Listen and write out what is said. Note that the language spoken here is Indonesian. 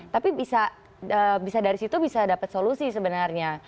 tapi bisa dari situ bisa dapat solusi sebenarnya